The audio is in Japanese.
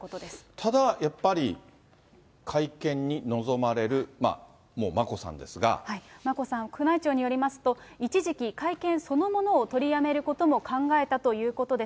ただやっぱり、会見に臨まれる、眞子さん、宮内庁によりますと、一時期、会見そのものを取りやめることも考えたということで